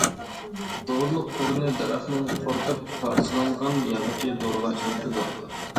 دورىلىق ئورنى دەرەخنىڭ قۇرۇتۇپ پارچىلانغان ياغىچى دورىغا ئىشلىتىلىدۇ.